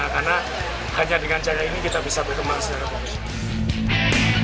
karena hanya dengan cara ini kita bisa berkembang secara profesional